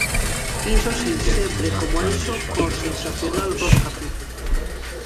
Iso si, sempre e como eixo, co sensacional Borja Pita.